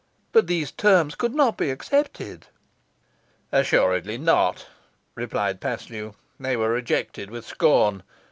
"But these terms could not be accepted?" "Assuredly not," replied Paslew; "they were rejected with scorn.